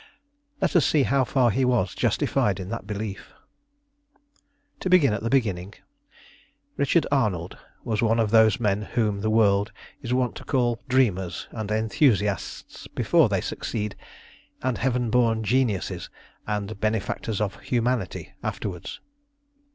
Let us see how far he was justified in that belief. To begin at the beginning, Richard Arnold was one of those men whom the world is wont to call dreamers and enthusiasts before they succeed, and heaven born geniuses and benefactors of humanity afterwards.